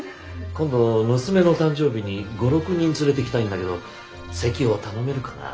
今度娘の誕生日に５６人連れてきたいんだけど席を頼めるかな？